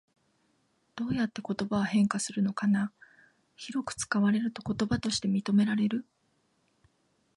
どうやって言葉は変化するのかな？広く使われると言葉として認められる？